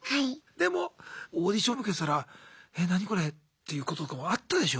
でもオーディション受けてたら「え何これ」っていうこととかもあったでしょ？